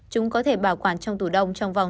chúng có thể bảo quản trong tủ đông trong vòng sáu tháng